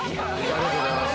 ありがとうございます